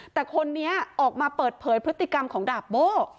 แต่คนนี้ออกมาเปิดเผยพฤติกรรมของดาบโบ้